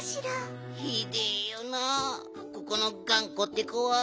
ひでえよなここのがんこってこは。